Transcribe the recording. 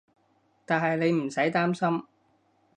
但係你唔使擔心